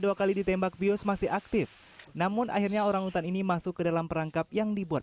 dua kali ditembak bios masih aktif namun akhirnya orang utan ini masuk ke dalam perangkap yang dibuat